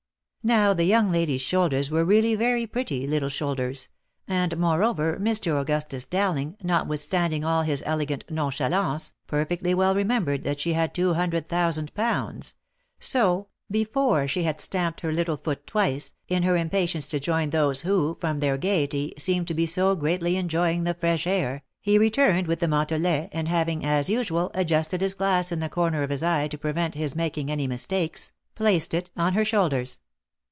Now the young lady's shoulders were really very pretty little shoulders, and, moreover, Mr. Augustus Dowling, notwithstanding all his elegant nonchalance, perfectly well remembered that she had two hundred thousand pounds; so, before she had stamped with her little foot twice, in her impatience to join those who, from their gaiety, seemed to be so greatly enjoying the fresh air, he returned with the mantelet, and having, as usual, adjusted his glass in the corner of his eye to prevent his making any mistakes, placed it on her shoulders.